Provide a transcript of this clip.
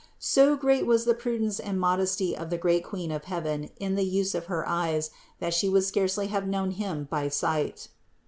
So great was the prudence and modesty of the great Queen of heaven in the use of her eyes, that She would scarcely have known him by sight.